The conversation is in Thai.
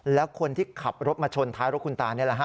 แล้วคนที่ขับรถมาชนท้ายรถคุณตานี่แหละฮะ